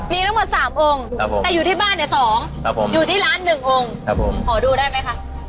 มีทั้งหมด๓องค์แต่อยู่ที่บ้านเนี่ย๒อยู่ที่ร้าน๑องค์ขอดูได้ไหมคะ